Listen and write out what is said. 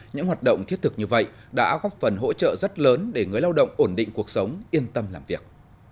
những hoạt động thiết thực như vậy đã góp phần hỗ trợ rất lớn để người lao động ổn định cuộc sống yên tâm làm việc